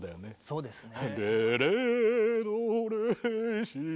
そうですね。